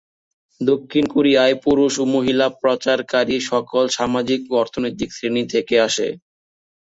দক্ষিণ কোরিয়ায় পুরুষ ও মহিলা পাচারকারী সকল সামাজিক ও অর্থনৈতিক শ্রেণী থেকে আসে।